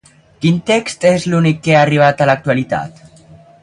Quin text és l'únic que ha arribat a l'actualitat?